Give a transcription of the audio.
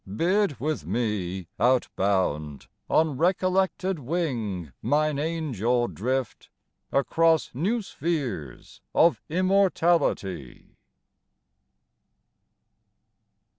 Bid with me, outbound, On recollected wing mine angel drift Across new spheres of immortality.